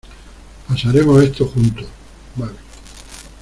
pasaremos esto juntos. vale .